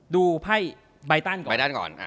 ดูไภใบตั้นก่อน